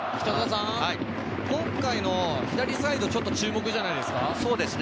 今回の左サイド、ちょっと注目じゃないですか。